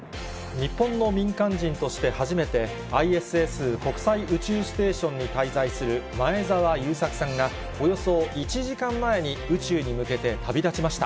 日本の民間人として初めて、ＩＳＳ・国際宇宙ステーションに滞在する前澤友作さんが、およそ１時間前に宇宙に向けて旅立ちました。